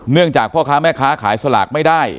จากพ่อค้าแม่ค้าขายสลากไม่ได้